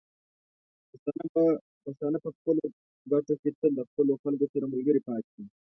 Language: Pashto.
پښتانه په خپلو ګټو کې تل له خپلو خلکو سره ملګري پاتې دي.